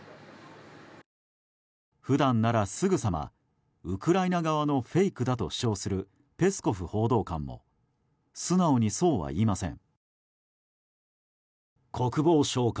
普段なら、すぐさまウクライナ側のフェイクだと主張するペスコフ報道官も素直にそうは言いません。